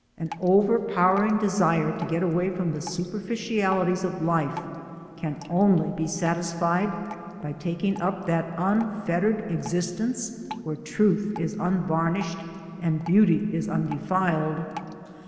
An over powering desire to get away from the superficialities of life can only be satisfied by taking up that un fettered existence where truth is unvarnished and beauty is undented.